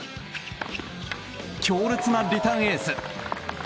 強烈なリターンエース！